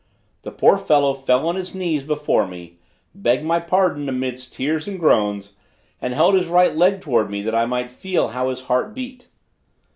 The poor fellow fell on his knees before me, begged my pardon amid tears and groans, and held his right leg towards me that I might feel how his heart beat.